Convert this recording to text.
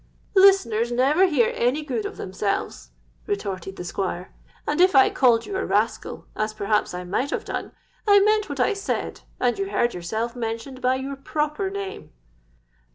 '—'Listeners never hear any good of themselves,' retorted the Squire; 'and if I called you a rascal, as perhaps I might have done, I meant what I said, and you heard yourself mentioned by your proper name.'